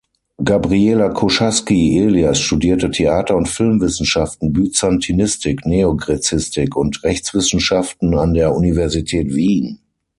Gabriela Koschatzky-Elias studierte Theater- und Filmwissenschaften, Byzantinistik, Neogräzistik und Rechtswissenschaften an der Universität Wien.